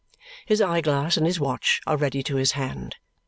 His eye glass and his watch are ready to his hand.